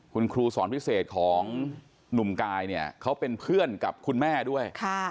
คุณครูสอนพิเศษของหนุ่มกายเนี่ยเขาเป็นเพื่อนกับคุณแม่ด้วย